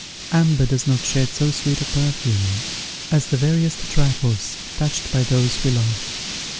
Amber does not shed so sweet a perfume as the veriest trifles touched by those we love.